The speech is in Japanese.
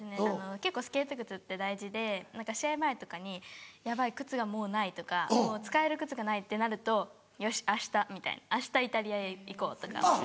結構スケート靴って大事で何か試合前とかにヤバい靴がもうないとかもう使える靴がないってなるとよし明日みたいな明日イタリアへ行こうとか。